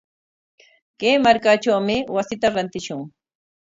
Kay markatrawmi wasita rantishun.